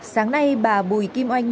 sáng nay bà bùi kim oanh